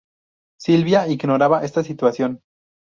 Silvia ignoraba esta situación.